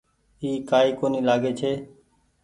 اي ڪآئي ڪونيٚ لآگي ڇي۔